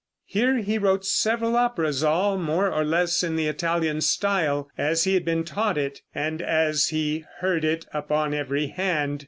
Here he wrote several operas, all more or less in the Italian style as he had been taught it, and as he heard it upon every hand.